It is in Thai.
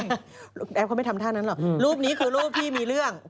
แต่ฉันเกลียดท่าเธอเมื่อกี้นิดหนึ่ง